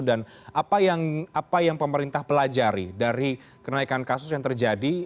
dan apa yang pemerintah pelajari dari kenaikan kasus yang terjadi